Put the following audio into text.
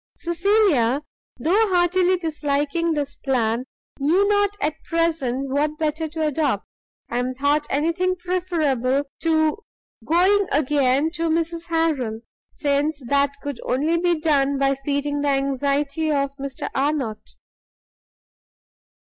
Cecilia, though heartily disliking this plan, knew not at present what better to adopt, and thought anything preferable to going again to Mrs Harrel, since that only could be done by feeding the anxiety of Mr Arnott.